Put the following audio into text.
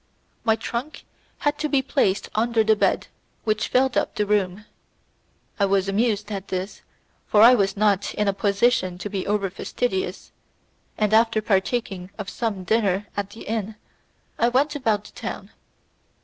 My trunk had to be placed under the bed which filled up the room. I was amused at this, for I was not in a position to be over fastidious, and, after partaking of some dinner at the inn, I went about the town.